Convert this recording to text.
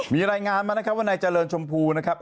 มีรายงานมานะครับว่านายเจริญชมพูนะครับ